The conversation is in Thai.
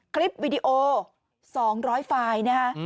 คลิปวิดีโอ๒๐๐ไฟล์